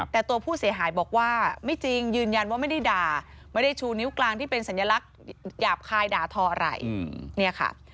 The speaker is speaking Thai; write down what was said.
แต่ตัวผู้เสียหายบอกว่าไม่จริงยืนยันว่าไม่ได้ด่าไม่ได้ชูนิ้วกลางที่เป็นสัญลักษณ์หยาบคายด่าทออะไรเนี่ยค่ะ